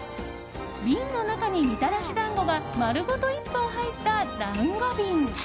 瓶の中に、みたらし団子が丸ごと１本入った団子瓶。